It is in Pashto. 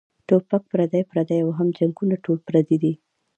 ټوپک پردے پردے او هم جنګــــونه ټول پردي دي